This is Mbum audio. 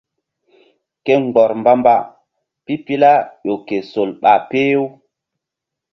Ke mgbɔr mba-mba pipila ƴo ke sol ɓa peh-u.